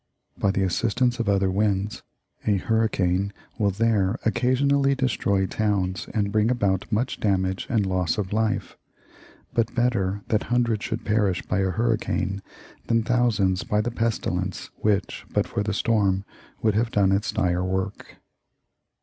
By the assistance of other winds, a hurricane will there occasionally destroy towns and bring about much damage and loss of life; but better that hundreds should perish by a hurricane than thousands by the pestilence which, but for the storm, would have done its dire work.